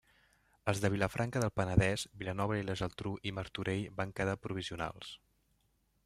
Els de Vilafranca del Penedès, Vilanova i la Geltrú i Martorell van quedar provisionals.